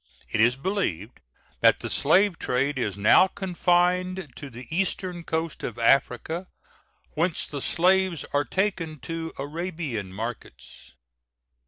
It is believed that the slave trade is now confined to the eastern coast of Africa, whence the slaves are taken to Arabian markets.